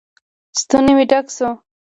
ستونى مې ډک سو.